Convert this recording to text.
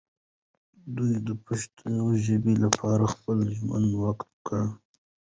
دی د پښتو ژبې لپاره خپل ژوند وقف کړی.